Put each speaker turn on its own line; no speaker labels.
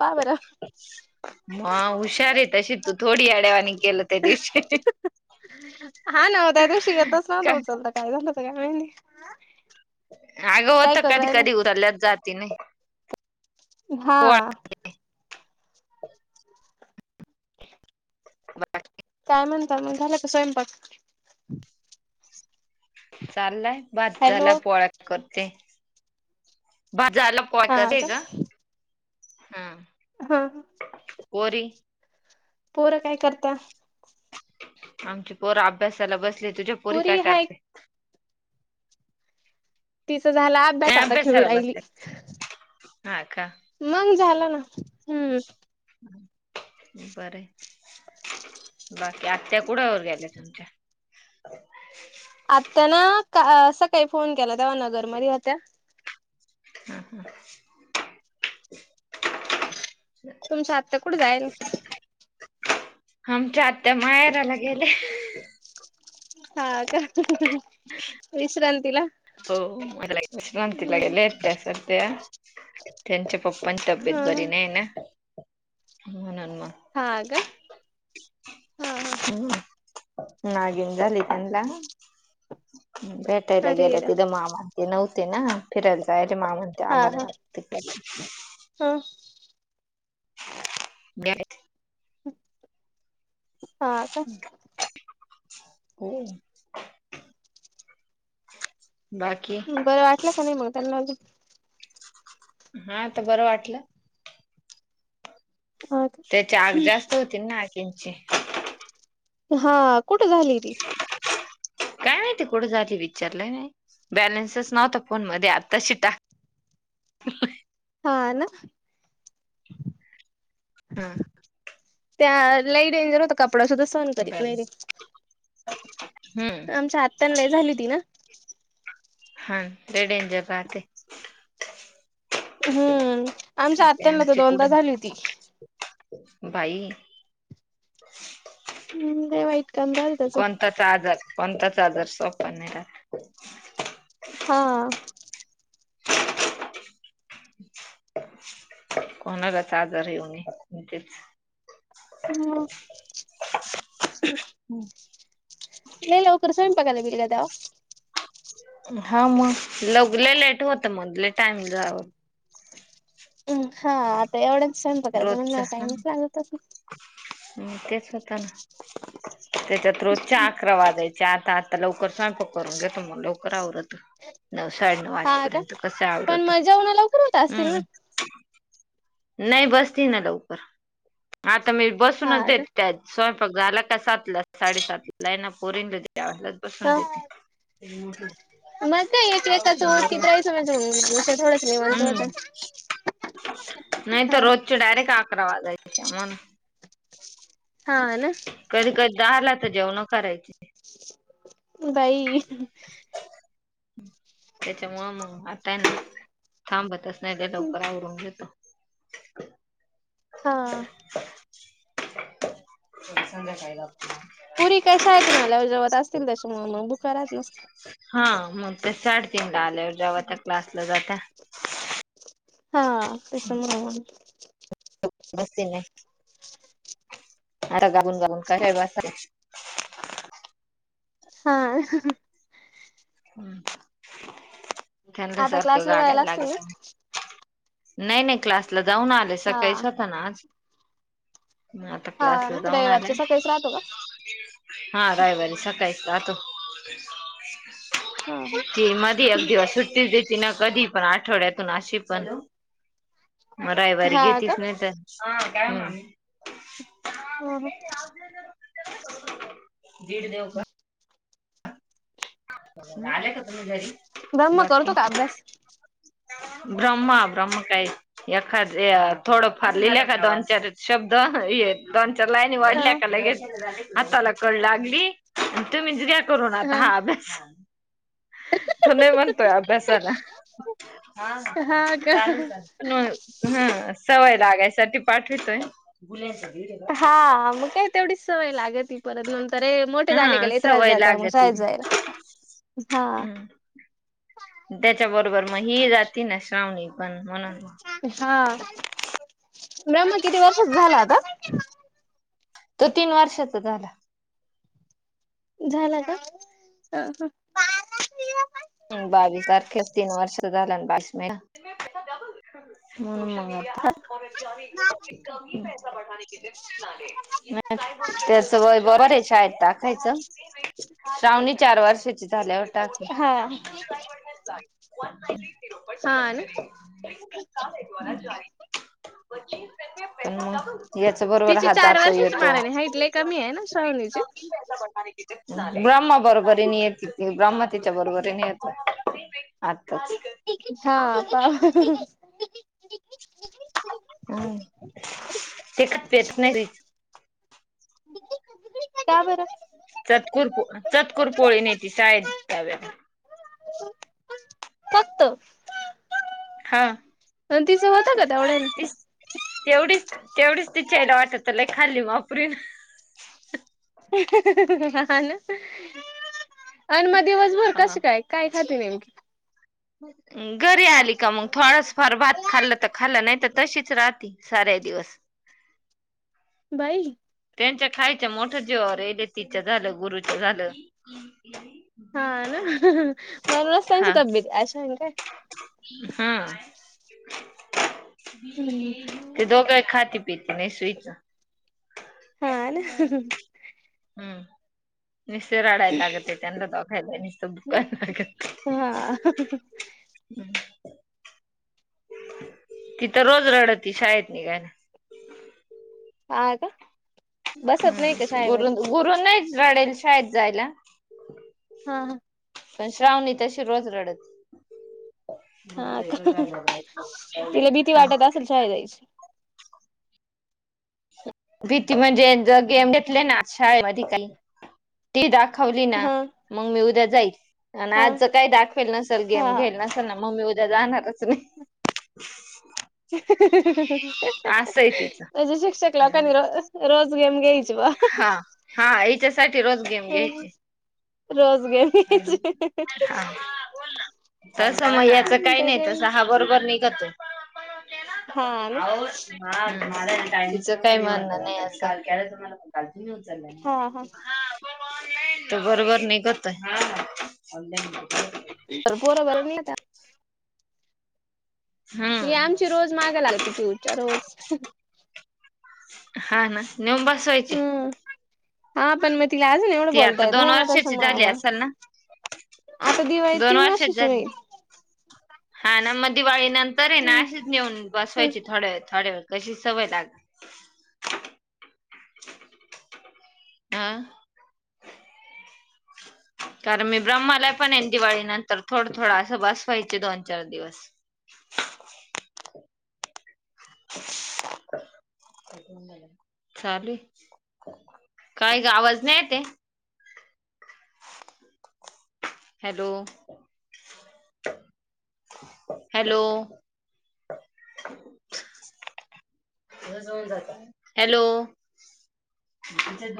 का बर.
मग हुशार आहे तशी तू थोडी येड्यावानी केलं त्या दिवशी.
हा नव त्या दिवशी येतच नव्हत
का
उचलत काय झालं काय म्हहिती.
अग होत कधी कधी उचल्याच जात नाही.
हा.
पोळ बाकी.
काय म्हणंता मग झालं का स्वयंपाक.
चाललाय
हॅलो
भाज्याला पोळ्या करते भाज्याला य का हम
हा
कोरी
पोरं काय करता
आमची पोरा अभ्यासाला बसले तुझ्या पोरी काय करते
तिचा झाला अभ्यास
त्या
आता खेळू
अभ्यासाला
राहिली.
बसल्या हा का
मंग झालं ना हम्.
बर बाकी आत्या कुडवर गेल्या तुमच्या.
आत्या ना का सकाळी फोन केला तेव्हा नगर मध्ये होत्या.
हा हा
तुमच्या आत्ता कुठं जाईल
आमच्या आतता मायाराला गेले
हा का विश्रांतीला
हो म विश्रांती
हम्म
लागेल येत सध्या त्यांच्या पप्पची तब्येत
हा
बरी नाही ना म्हणून मग
हा हा हा
नागन झालीितला बेटायला
अरे
गेले मा म्हणते नव्हते ना फिरायला जायला मा म्हणते
हा हा
अमरनाथ
हा
ब
हा का
हो बाकी
बरं वाटलं का नाही मग त्यांना
हा तर बरं वाटलं
हा का
त्याची आग जास्त होतील नाखिची
हा कुठे झाली री
नाही ते कठं झाली विचारलंय नाही बॅलन्सच नव्हता फोन मध्ये आताशी टा ह
हा ना
हा
त्या लाई डेंजर होता कपडा सुद्धा न करत नाही
बॅलन्स हम्म
आमच्या हत झाली ती ना
हा ते डेंजर बाह ते
हम्म आमच्या आत्यांना तर
त्यांची
दोनदा
कुठं
झाली होती
बाई
हम् काय वाईट काम राहिल त्याचं
ताचा आजार पणताचा आजार सोपन नाही रा
हा
[inaudible] कोणालाच आजार येऊन तेच
हम
हम्
नलोकरर स्वयंपागला बीले दव
हा मग लगले लेट होत मधले टाइम जाव
हम हा आता एवढाच संयप करायचा म्हण टाइमच लागत त
हम तेच होत ना त्याच्यात्रोजच्या अकरा वादाायचा च आत आ लवकर स्वयंपक करून घे तो मग लवकर आवरत नऊ साडेनऊ
हा का
वाजेपर्यंत कसं
पण
आवरडतो
मग जेवण लवकर होत असतील ना
हम्म नाही बसती ना लवकर आता मी
हा
बसूनच
का
देत त्यात स्वयंपाक झाला का सातला साडेसातला ला आहे ना पोरीन द पसंद येत
मज नाही एक एकाच की त राही समज थोडच नि म्हणत
हम्म
होत
नाही तर
हा
रोजच्या डायरेक्ट अकरा वाजायच्या म्हण
हा, ना.
कधी -कधी दहाला तर, जेवण करायची.
भाई
त्याच्यामुळं मग आताय ना थांबत असत नाही [unintelligible] लवकर आवरून घेतो.
हा.
[unintelligible] संध्याकाळी [unintelligible]
पुरी काय शायेतून आल्यावर जेवत असतील. त्याच्यामुळे, मग बुखा राहत नस
हा, मग ते साडतीनला आल्यावर जेवात्या. क्लासला जाता.
[inaudible] हा [unintelligible]
बस [unintelligible] [unintelligible]
हा [unintelligible]
हम्, त्यानला
आता
सारखं
क्लासला जायला
[unintelligible]
असतील ना?
लागतं. नाही, नाही. क्लासला जाऊन आले सकाळीच
हा
होता ना आज. आता
हा
क्लासला
ना
जाऊन आला.
रविवारच्या सकाळीच राहतो का?
[inaudible] हा रविवारी सकाळी जातो.
ह [inaudible]
ती मधी एक दिवस सुट्टीच देती ना. कधी पण, आठवड्यातून अशी पण. मग रविवारी
हा का
घेतीच नाही तर. [inaudible]
ह
[unintelligible] भीड देव का? आले का तुम्ही घरी?
ब्रह्म
बाकी.
करतो का अभ्यास?
[inaudible] ब्रह्मा, ब्रह्म काय? एखाद, थोडं फार लिहलं का, दोन- चारच शब्द [unintelligible] दोन -चार लाईनी
हा
वढल्या का, लगेच हाताला कळ लागली. तुम्ही घ्या करून आता हा अभ्यास. तो नाही म्हणतोय अभ्यासाला. [unintelligible] हा काय मनताय? न. ह, सवय लागायसाठी पाठवतोय. [unintelligible]
हा, मग काय तेवढीच सवय लागती. परत नंतर र मोठे झाले का
हा
लय त्रास
सवय
देताये मग शाळेत
लागती
जायला.
[inaudible]
हा.
हम्म त्याच्या बरोबर मग ही जाती ना. श्रावणी पण म्हणून.
हा. [unintelligible] किती वर्षाचा झाला, आता?
तो तीन वर्षाचा झाला.
झाला का? [inaudible] अ ह.
बावीस तारखे तीन वर्ष झालं ना. [unintelligible] [unintelligible] त्याच वय बरोबरय, शाळेत टाकायचं. श्रावणी चार वर्षाची झाल्यावर टाकी
हा हा [unintelligible] हा ना. [inaudible]
[unintelligible] हम्, तेच. बरोबर
तिची
हा
चार
जातो,
वर्षाची
येतो.
माराणी हाईट लय कमी आहे ना श्रावणीची.
[unintelligible] ब्रह्म बरोबर नि येत. तिथे ब्रह्म तिथ त्याच्या बरोबर नाही येत. [unintelligible] आताच.
[inaudible]
हम्म. ते का पेत नाही [unintelligible]
का बरं.
चतकुर पो चतकुर पोळी शाळेत नेते डब्यात.
फक्त.
हा.
आणि [unintelligible] का तेवढ्या.
तीस, तेवढीच, तेवढीच तिच्या आईला वाटतं, लय खाल्ली बा पुरीनं.
[unintelligible] हा ना आणि मग दिवसभर
हा.
कशी काय? काय खाती नेमकी?
घरी आली का मग थोडाच फार भात खाल्लं तर खाल्लं नाही तर तशीच राहती. सरे दिवस.
बाई.
त्यांच्या खायच्या मोठ्या जीवावर येते तिच झालं गुरुच झालं.
हा ना म्हणूनच त्यांच्या तब्येती आशा आहेत की काय.
हा.
हम्म
ते दोघही खाती पीती नाही स्वीच.
हा ना
हम्म. नुसत रडायला लागत त्यांना दाखायला नुसत. [unintelligible]
हा.
[unintelligible] तित रोज रडते शाळेत निघायला.
हा का बसत नाही का
हम्म गुरु
शाळेमध्यी
गुरु नाही रडेल शाळेत जायला.
हा हा.
पण श्रावणी तशी रोज रडत
हा का तिला भीती
[unintelligible]
[unintelligible]
भीती म्हणजे ज गेम घेतले ना शाळे मध काही ती दाखवली ना
हा
मग मी उद्या जाईच आणि
हा
आज ज काय दाखवेल न सर गेम घेल न ना मम्मी उद्या जाणारच नाही. असं आहे तिचं
अज शिक्षक लोकांनी र रोज गेम घ्यायचे
हा हा हिच्यासाठी रोज गेम घ्यायची
[unintelligible] रोज [unintelligible]
तस म याच काही नाही
बरंय
तस हा बरोबर निघ
हा
[unintelligible]
ना
हााचं काही म्हणणं नाही असंल के तुमला का
हा हा
उचलला बरोबर नाही. ह [unintelligible]
तर पोरं बरं निघता. हे
हम्म
आमची रोज मागा लागते पिऊच्या रोज.
हा ना. नेऊ बसवायचे.
हम्म हा पण मग तिला अजून एवढं
ती
बोलता
आता
येत
दोन
नाही ना
वर्षाची
नुसतं म
झाली
म
असेल ना
आता दिवाळीत
दोन
तीन वर्षाची
झाली
होईल.
हा न म दिवाळी नंतर ये ना
होईल
असेच नेऊन बसवाय थोड वेळ थोड्या वेळ कशी सवय लागल. हा. कारण मी ब्रह्मालाय पण येन दिवाळी नंतर थोडं थोडं असं बस व्हायची दोन चार दिवस. [unintelligible] हा काय ग आवाज नाही येत ये. हॅलो. हॅलो. हॅलो.